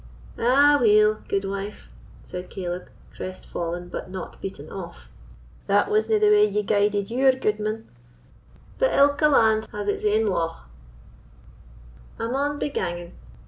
"Aweel, gudewife," said Caleb, crestfallen, but not beaten off, "that wasna the way ye guided your gudeman; but ilka land has its ain lauch. I maun be ganging.